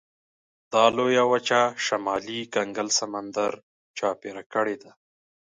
دا لویه وچه شمالي کنګل سمندر چاپېره کړې ده.